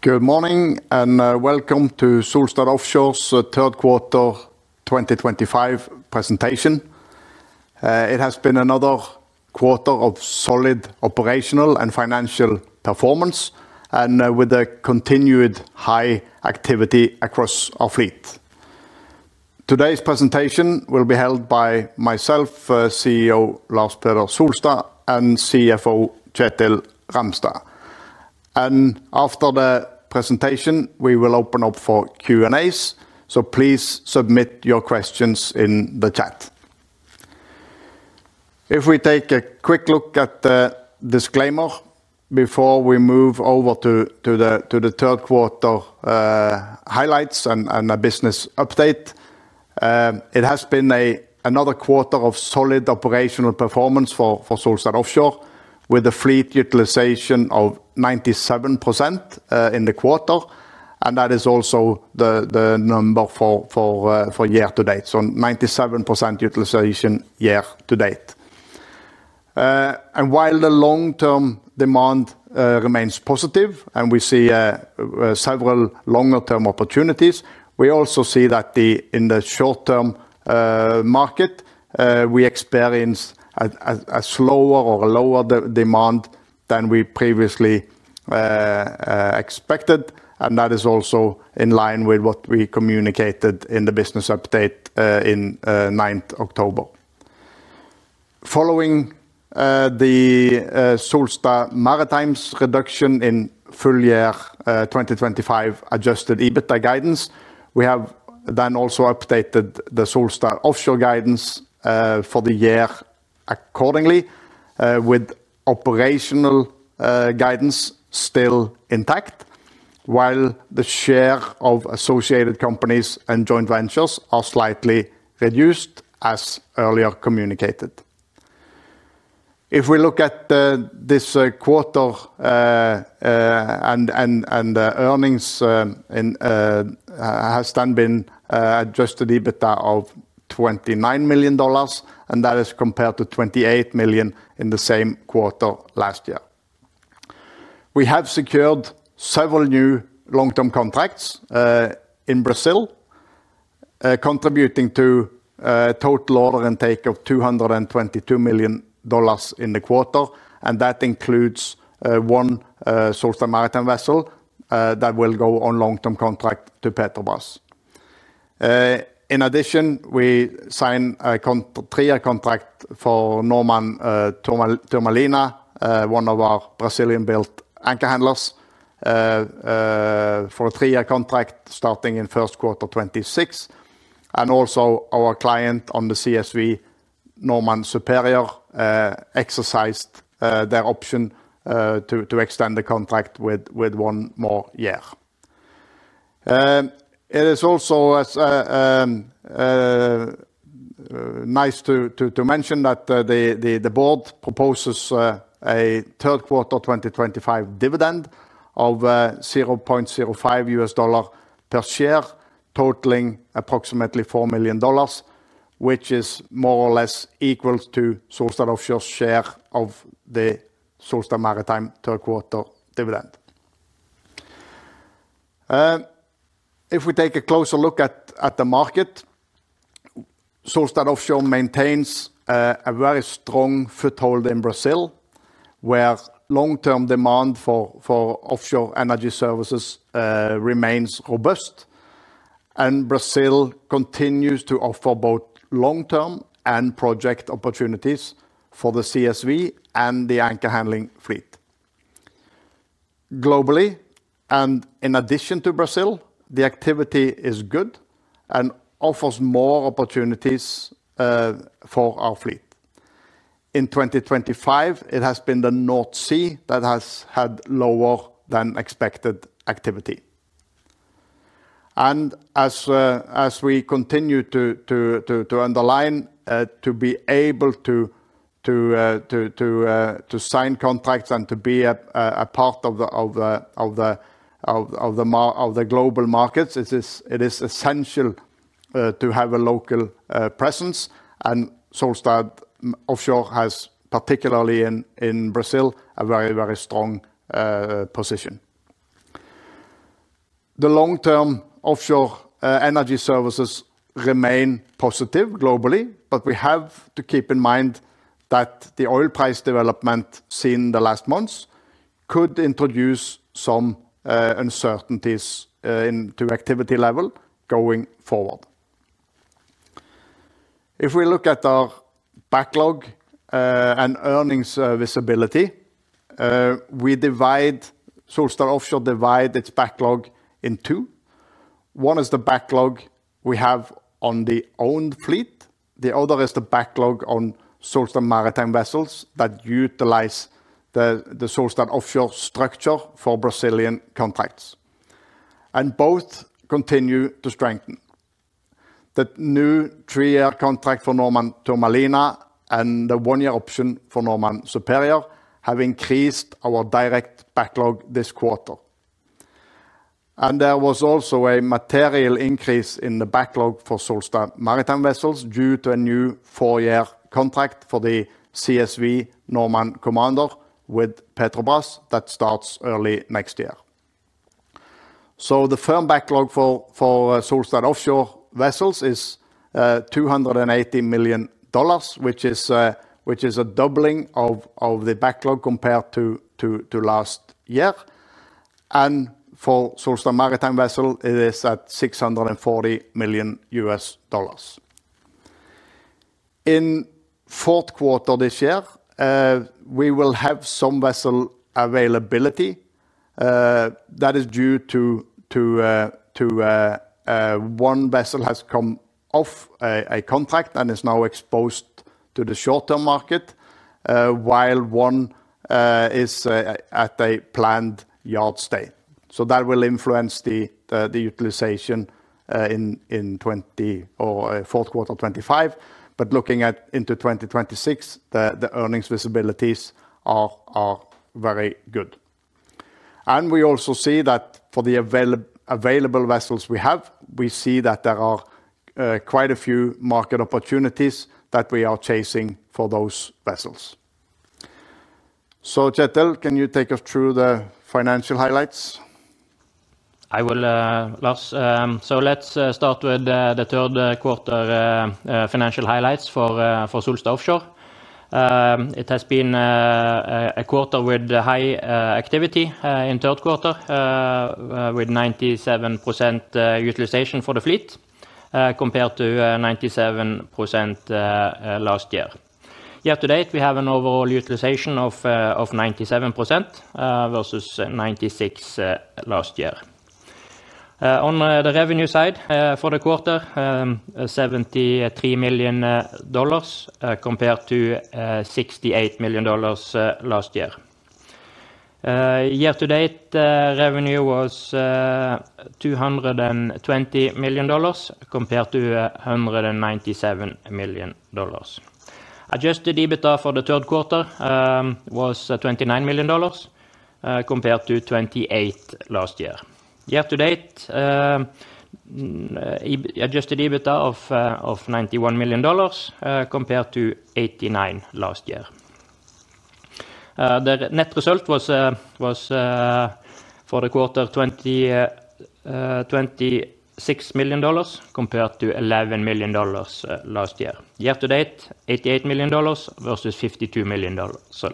Good morning and welcome to Solstad Offshore's third quarter 2025 presentation. It has been another quarter of solid operational and financial performance, with a continued high activity across our fleet. Today's presentation will be held by myself, CEO Lars Peder Solstad, and CFO Kjetil Ramstad. After the presentation, we will open up for Q&As, so please submit your questions in the chat. If we take a quick look at the disclaimer before we move over to the third quarter highlights and a business update, it has been another quarter of solid operational performance for Solstad Offshore, with the fleet utilization of 97% in the quarter, and that is also the number for year-to-date. 97% utilization year-to-date. While the long-term demand remains positive and we see several longer-term opportunities, we also see that in the short-term market, we experience a slower or a lower demand than we previously expected, and that is also in line with what we communicated in the business update on 9th October. Following the Solstad Maritime's reduction in full-year 2025 adjusted EBITDA guidance, we have then also updated the Solstad Offshore guidance for the year accordingly, with operational guidance still intact, while the share of associated companies and joint ventures are slightly reduced, as earlier communicated. If we look at this quarter, earnings have then been adjusted to EBITDA of $29 million, and that is compared to $28 million in the same quarter last year. We have secured several new long-term contracts in Brazil, contributing to a total order intake of $222 million in the quarter, and that includes one Solstad Maritime vessel that will go on long-term contract to Petrobras. In addition, we signed a three-year contract for Normand Turmalina, one of our Brazilian-built anchor handlers, for a three-year contract starting in first quarter 2026, and also our client on the CSV, Normand Superior, exercised their option to extend the contract with one more year. It is also nice to mention that the board proposes a third quarter 2025 dividend of $0.05 per share, totaling approximately $4 million, which is more or less equal to Solstad Offshore's share of the Solstad Maritime third quarter dividend. If we take a closer look at the market, Solstad Offshore maintains a very strong foothold in Brazil, where long-term demand for offshore energy services remains robust, and Brazil continues to offer both long-term and project opportunities for the CSV and the anchor handling fleet. Globally, in addition to Brazil, the activity is good and offers more opportunities for our fleet. In 2025, it has been the North Sea that has had lower than expected activity. As we continue to underline, to be able to sign contracts and to be a part of the global markets, it is essential to have a local presence, and Solstad Offshore has, particularly in Brazil, a very, very strong position. The long-term offshore energy services remain positive globally, but we have to keep in mind that the oil price development seen in the last months could introduce some uncertainties in the activity level going forward. If we look at our backlog and earnings visibility, we divide Solstad Offshore's backlog in two. One is the backlog we have on the owned fleet. The other is the backlog on Solstad Maritime vessels that utilize the Solstad Offshore structure for Brazilian contracts. Both continue to strengthen. The new three-year contract for Normand Turmalina and the one-year option for Normand Superior have increased our direct backlog this quarter. There was also a material increase in the backlog for Solstad Maritime vessels due to a new four-year contract for the CSV Normand Commander with Petrobras that starts early next year. The firm backlog for Solstad Offshore vessels is $280 million, which is a doubling of the backlog compared to last year. For Solstad Maritime vessels, it is at $640 million. In the fourth quarter this year, we will have some vessel availability. That is due to one vessel has come off a contract and is now exposed to the short-term market, while one is at a planned yard stay. That will influence the utilization in the fourth quarter 2025. Looking into 2026, the earnings visibilities are very good. We also see that for the available vessels we have, we see that there are quite a few market opportunities that we are chasing for those vessels. Kjetil, can you take us through the financial highlights? I will, Lars. Let's start with the third quarter financial highlights for Solstad Offshore. It has been a quarter with high activity in the third quarter, with 97% utilization for the fleet compared to 97% last year. Year-to-date, we have an overall utilization of 97% versus 96% last year. On the revenue side for the quarter, $73 million compared to $68 million last year. Year-to-date, revenue was $220 million compared to $197 million. Adjusted EBITDA for the third quarter was $29 million compared to $28 million last year. Year-to-date, adjusted EBITDA of $91 million compared to $89 million last year. The net result was for the quarter $26 million compared to $11 million last year. Year-to-date, $88 million versus $52 million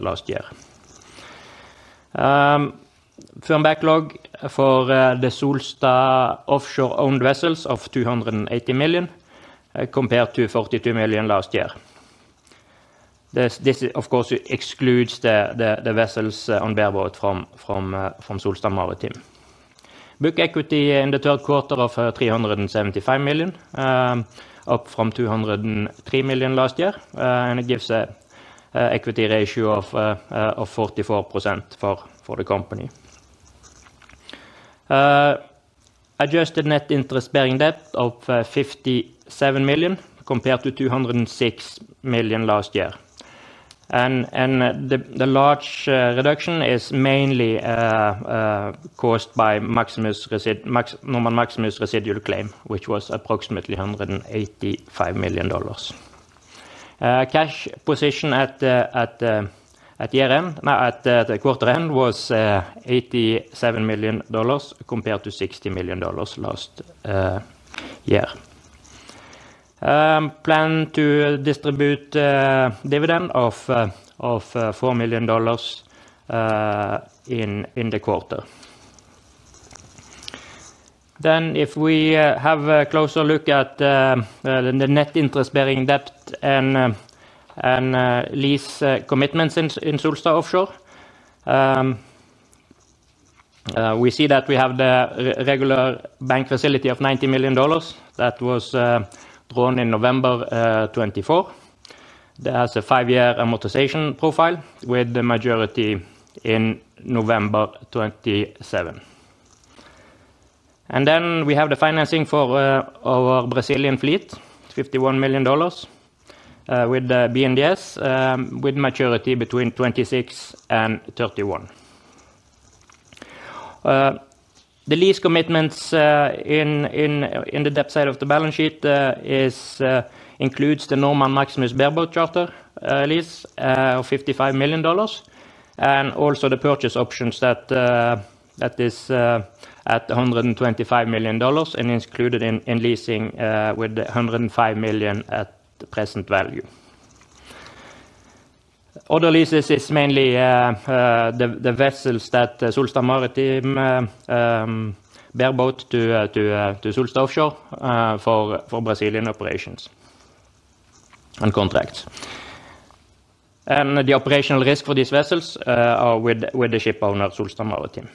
last year. Firm backlog for the Solstad Offshore owned vessels of $280 million compared to $42 million last year. This, of course, excludes the vessels on bareboat from Solstad Maritime. Book equity in the third quarter of $375 million, up from $203 million last year, and it gives an equity ratio of 44% for the company. Adjusted net interest-bearing debt of $57 million compared to $206 million last year. The large reduction is mainly caused by Normand Maximus' residual claim, which was approximately $185 million. Cash position at the quarter end was $87 million compared to $60 million last year. Plan to distribute dividend of $4 million in the quarter. If we have a closer look at the net interest-bearing debt and lease commitments in Solstad Offshore, we see that we have the regular bank facility of $90 million that was drawn in November 2024. That has a five-year amortization profile with the majority in November 2027. We have the financing for our Brazilian fleet, $51 million, with the BNDS with majority between $26 million and $31 million. The lease commitments in the debt side of the balance sheet include the Normand Maximus bareboat charter lease of $55 million and also the purchase options that are at $125 million and included in leasing with $105 million at present value. Other leases are mainly the vessels that Solstad Maritime bareboat to Solstad Offshore for Brazilian operations and contracts. The operational risk for these vessels is with the shipowner, Solstad Maritime.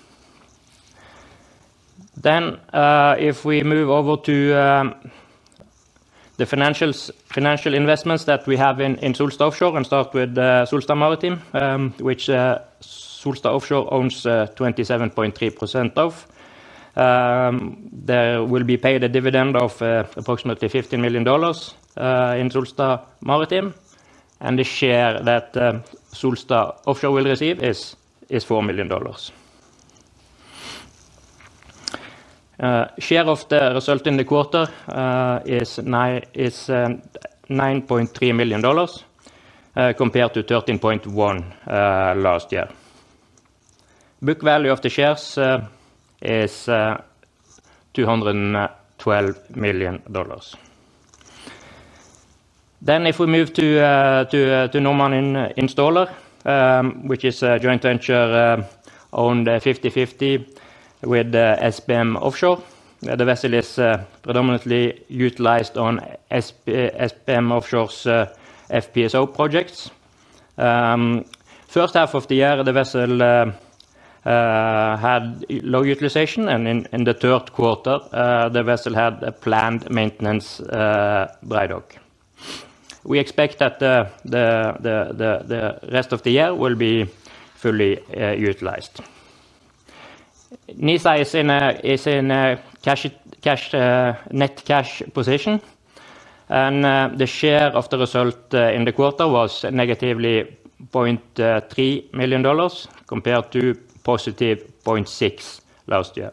If we move over to the financial investments that we have in Solstad Offshore and start with Solstad Maritime, which Solstad Offshore owns 27.3% of, there will be paid a dividend of approximately $15 million in Solstad Maritime, and the share that Solstad Offshore will receive is $4 million. Share of the result in the quarter is $9.3 million compared to $13.1 million last year. Book value of the shares is $212 million. If we move to Normand Installer, which is a joint venture owned 50/50 with SPM Offshore, the vessel is predominantly utilized on SPM Offshore's FPSO projects. First half of the year, the vessel had low utilization, and in the third quarter, the vessel had a planned maintenance breakdown. We expect that the rest of the year will be fully utilized. NISA is in a net cash position, and the share of the result in the quarter was -$0.3 million compared to +$0.6 million last year.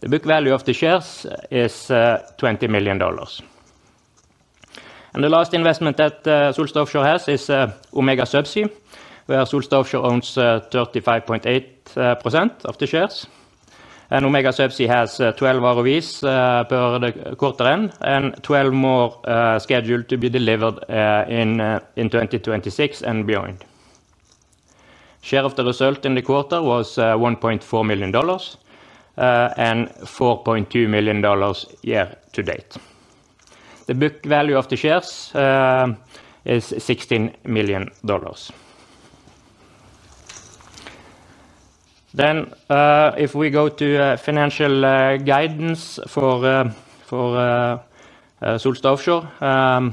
The book value of the shares is $20 million. The last investment that Solstad Offshore has is Omega Subsea, where Solstad Offshore owns 35.8% of the shares. Omega Subsea has 12 ROVs per the quarter end and 12 more scheduled to be delivered in 2026 and beyond. Share of the result in the quarter was $1.4 million and $4.2 million year-to-date. The book value of the shares is $16 million. If we go to financial guidance for Solstad Offshore,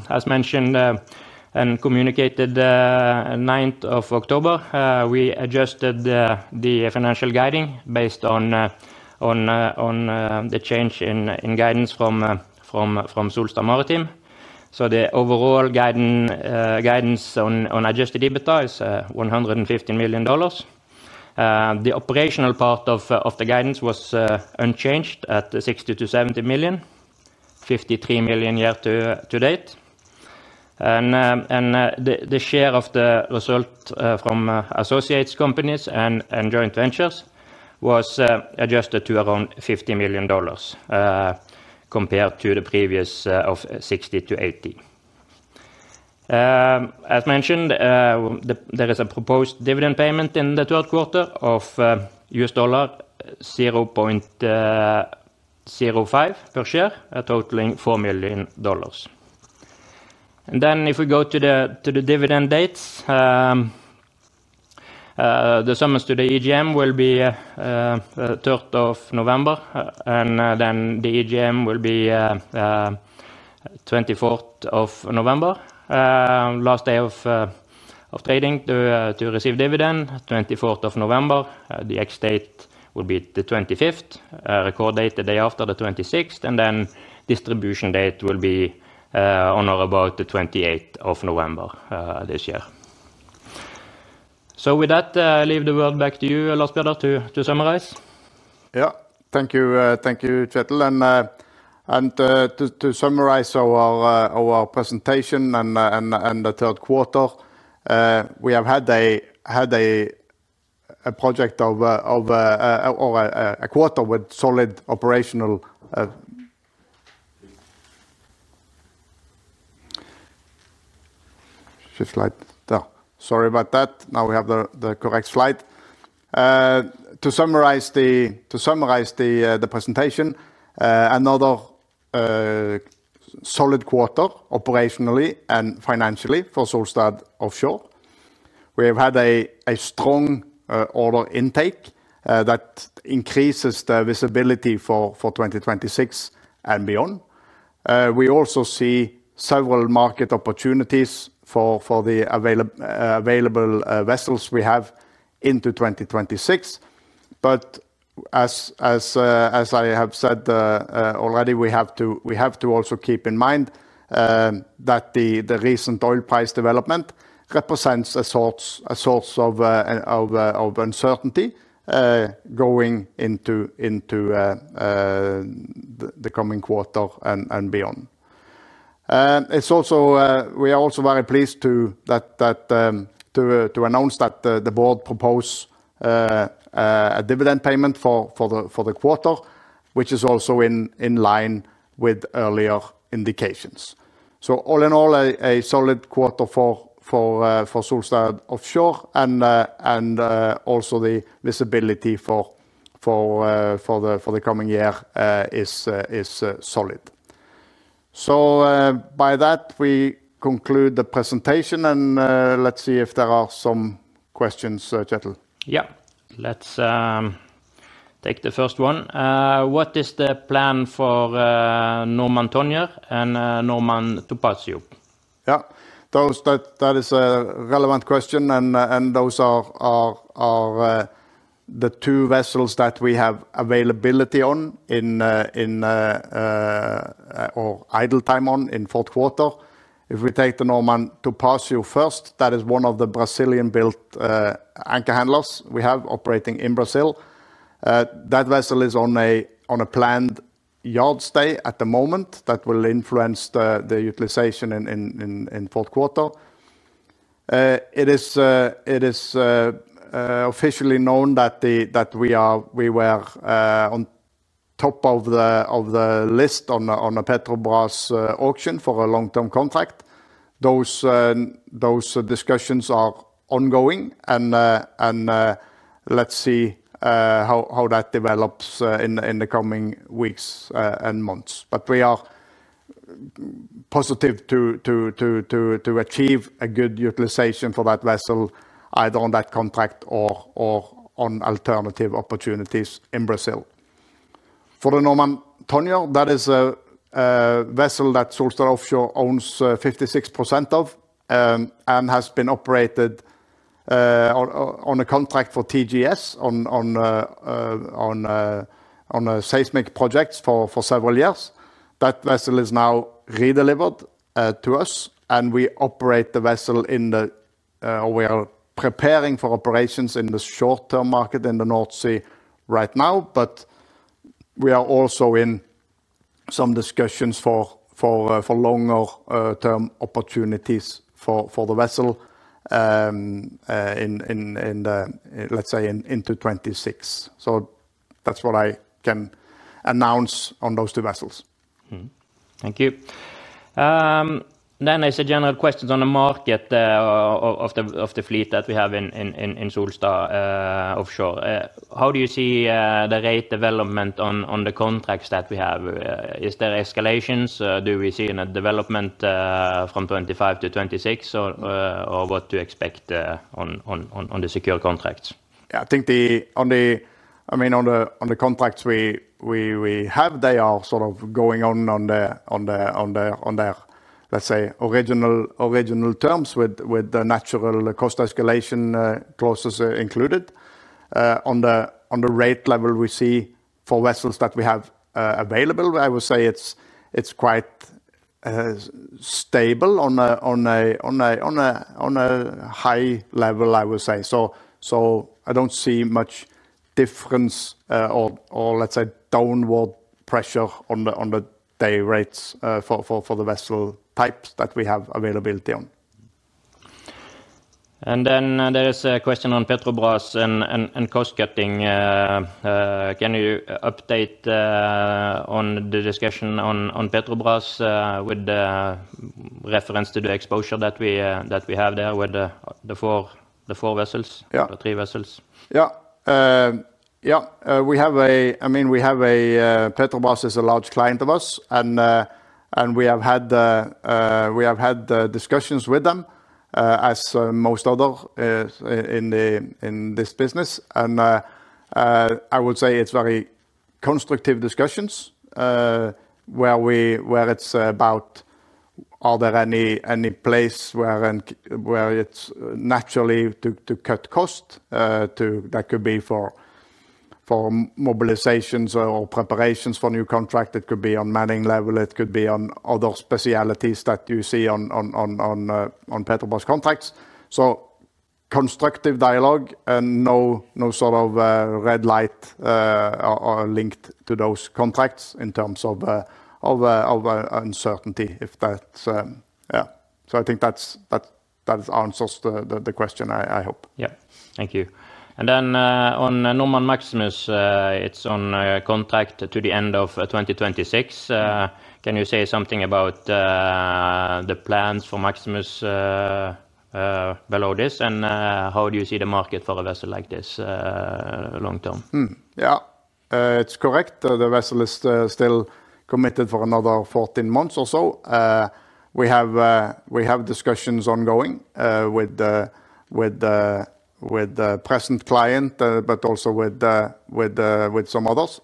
as mentioned and communicated 9th of October, we adjusted the financial guidance based on the change in guidance from Solstad Maritime. The overall guidance on adjusted EBITDA is $115 million. The operational part of the guidance was unchanged at $60 million - $70 million, $53 million year-to-date. The share of the result from associates companies and joint ventures was adjusted to around $50 million compared to the previous of $60 million - $80 million. As mentioned, there is a proposed dividend payment in the third quarter of $0.05 per share, totaling $4 million. If we go to the dividend dates, the summons to the EGM will be 3rd of November, and the EGM will be 24th of November, last day of trading to receive dividend, 24th of November. The ex-date will be the 25th, record date the day after the 26th, and distribution date will be on or about the 28th of November this year. With that, I leave the word back to you, Lars Peder, to summarize. Yeah, thank you, Kjetil. To summarize our presentation and the third quarter, we have had a quarter with solid operational and financial performance for Solstad Offshore. We have had a strong order intake that increases the visibility for 2026 and beyond. We also see several market opportunities for the available vessels we have into 2026. As I have said already, we have to also keep in mind that the recent oil price development represents a source of uncertainty going into the coming quarter and beyond. We are also very pleased to announce that the board proposed a dividend payment for the quarter, which is also in line with earlier indications. All in all, a solid quarter for Solstad Offshore, and the visibility for the coming year is solid. By that, we conclude the presentation, and let's see if there are some questions, Kjetil. Yeah, let's take the first one. What is the plan for Normand Tonjer and Normand Tubbatsjub? Yeah, that is a relevant question, and those are the two vessels that we have availability on or idle time on in the fourth quarter. If we take the Normand Tubbatsjub first, that is one of the Brazilian-built anchor handlers we have operating in Brazil. That vessel is on a planned yard stay at the moment. That will influence the utilization in the fourth quarter. It is officially known that we were on top of the list on the Petrobras auction for a long-term contract. Those discussions are ongoing, and let's see how that develops in the coming weeks and months. We are positive to achieve a good utilization for that vessel, either on that contract or on alternative opportunities in Brazil. For the Normand Tonjer, that is a vessel that Solstad Offshore owns 56% of and has been operated on a contract for TGS on seismic projects for several years. That vessel is now redelivered to us, and we operate the vessel in the, or we are preparing for operations in the short-term market in the North Sea right now. We are also in some discussions for longer-term opportunities for the vessel, let's say, into 2026. That's what I can announce on those two vessels. Thank you. I see general questions on the market of the fleet that we have in Solstad Offshore. How do you see the rate development on the contracts that we have? Is there escalations? Do we see a development from 2025 - 2026, or what to expect on the secure contracts? Yeah, I think on the contracts we have, they are sort of going on their, let's say, original terms with the natural cost escalation clauses included. On the rate level we see for vessels that we have available, I would say it's quite stable on a high level, I would say. I don't see much difference or, let's say, downward pressure on the day rates for the vessel types that we have availability on. There is a question on Petrobras and cost cutting. Can you update on the discussion on Petrobras with reference to the exposure that we have there with the four vessels, the three vessels? Yeah, we have a, Petrobras is a large client of us, and we have had discussions with them, as most others in this business. I would say it's very constructive discussions where it's about, are there any place where it's naturally to cut cost? That could be for mobilizations or preparations for new contracts. It could be on manning level. It could be on other specialties that you see on Petrobras contracts. Constructive dialogue and no sort of red light linked to those contracts in terms of uncertainty, if that's, yeah. I think that answers the question, I hope. Thank you. On Normand Maximus, it's on contract to the end of 2026. Can you say something about the plans for Maximus below this? How do you see the market for a vessel like this long term? Yeah, it's correct. The vessel is still committed for another 14 months or so. We have discussions ongoing with the present client, but also with some others.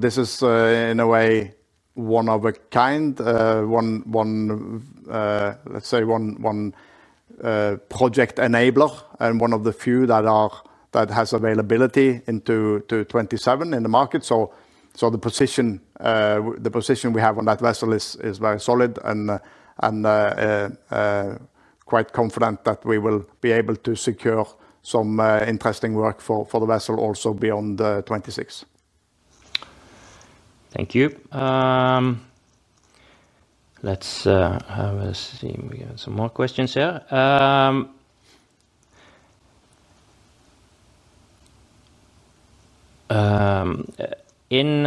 This is, in a way, one of a kind, let's say, one project enabler and one of the few that has availability into 2027 in the market. The position we have on that vessel is very solid and quite confident that we will be able to secure some interesting work for the vessel also beyond 2026. Thank you. Let's have a see. We got some more questions here. In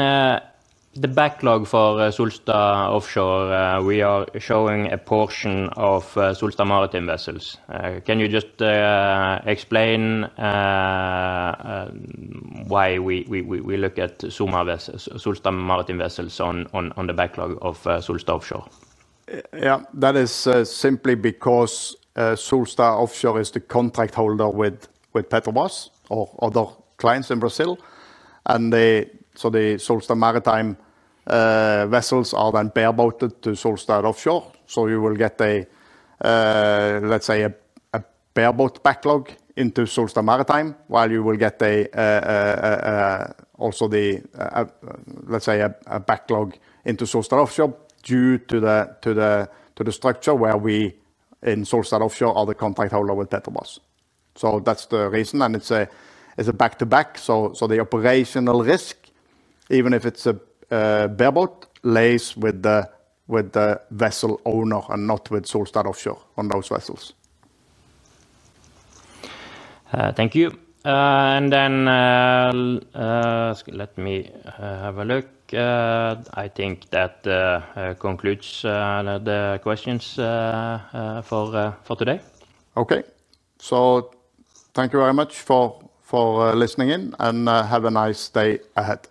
the backlog for Solstad Offshore, we are showing a portion of Solstad Maritime vessels. Can you just explain why we look at Solstad Maritime vessels on the backlog of Solstad Offshore? Yeah, that is simply because Solstad Offshore is the contract holder with Petrobras or other clients in Brazil. The Solstad Maritime vessels are then bare boated to Solstad Offshore. You will get a bareboat backlog into Solstad Maritime, while you will get a backlog into Solstad Offshore due to the structure where we in Solstad Offshore are the contract holder with Petrobras. That's the reason. It's a back-to-back. The operational risk, even if it's a bareboat, lays with the vessel owner and not with Solstad Offshore on those vessels. Thank you. Let me have a look. I think that concludes the questions for today. Thank you very much for listening in and have a nice day ahead.